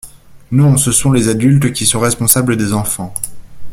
Non, ce sont les adultes qui sont responsables des enfants.